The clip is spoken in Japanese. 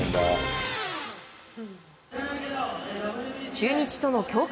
中日との強化